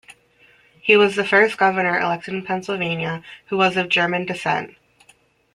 He was the first governor elected in Pennsylvania who was of German descent.